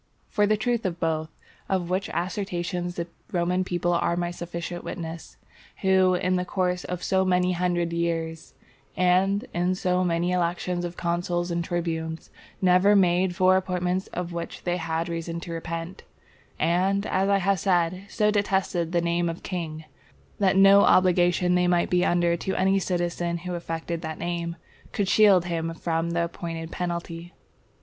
For the truth of both of which assertions the Roman people are my sufficient witness, who, in the course of so many hundred years, and in so many elections of consuls and tribunes, never made four appointments of which they had reason to repent; and, as I have said, so detested the name of king, that no obligation they might be under to any citizen who affected that name, could shield him from the appointed penalty.